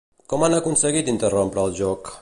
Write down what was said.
Com han aconseguit interrompre el joc?